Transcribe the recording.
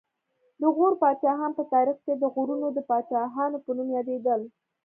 د غور پاچاهان په تاریخ کې د غرونو د پاچاهانو په نوم یادېدل